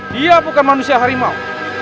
dia bukan manusia harimau